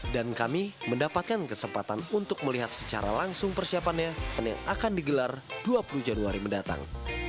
dan kami mendapatkan kesempatan untuk melihat secara langsung persiapannya yang akan digelar dua puluh januari mendatang